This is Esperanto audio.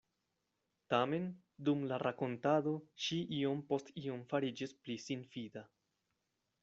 Tamen dum la rakontado ŝi iom post iom fariĝis pli sinfida.